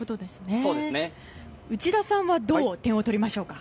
内田さんならどう点を取りましょうか。